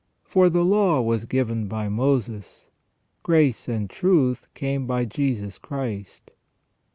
For the law was given by Moses ; grace and truth came by Jesus Christ."